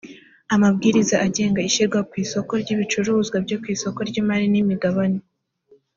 amabwiriza agenga ishyirwa ku isoko ry’ibicuruzwa byo ku isoko ry’imari n’imigabane